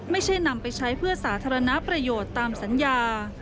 ไม่ใช่นำไปใช้เพื่อสาธารณประโยชน์ตามสัญญา